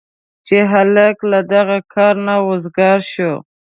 چې هلک له دغه کاره نه وزګار شو.